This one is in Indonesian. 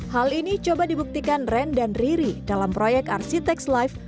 hal ini coba dibuktikan ren dan riri dalam proyek arsiteks live